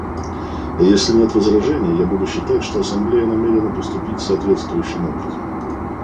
Если нет возражений, я буду считать, что Ассамблея намерена поступить соответствующим образом.